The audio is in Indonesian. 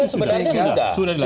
tapi kan sebenarnya sudah